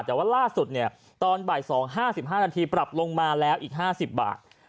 แต่ว่าล่าสุดเนี่ยตอนบ่าย๒๕๕นาทีปรับลงมาแล้วอีก๕๐บาท